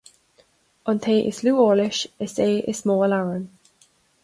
An té is lú eolais is é is mó a labhraíonn